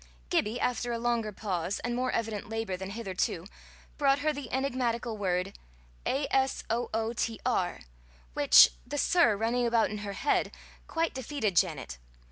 Gibbie, after a longer pause, and more evident labour than hitherto, brought her the enigmatical word, asootr, which, the Sir running about in her head, quite defeated Janet.